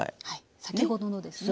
先ほどのですね。